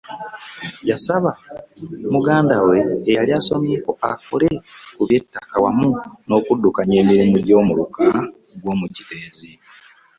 Yasaba muganda we eyali asomyeko akole ku by’ettaka awamu n’okuddukanya emirimu gy’Omuluka gw’omu Kiteezi.